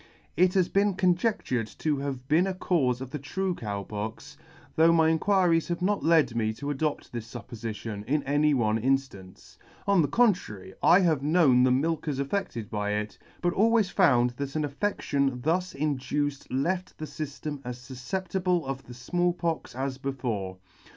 It has been conjectured to have been a caufe of the true Cow Pox, though my inquiries have not led me to adopt this fuppofition in any one inftance ; on the contrary, I have known the milkers affedted by it, but always found that an affedtion thus induced left the fyftem as fufcep tible of the Small Pox as before.